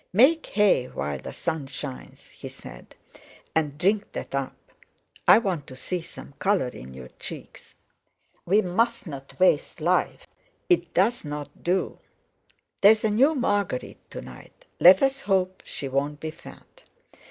"Make hay while the sun shines," he said; "and drink that up. I want to see some colour in your cheeks. We mustn't waste life; it doesn't do. There's a new Marguerite to night; let's hope she won't be fat.